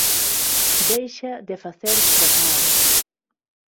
Deixa de facer trasnadas